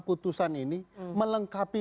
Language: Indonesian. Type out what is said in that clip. keputusan ini melengkapi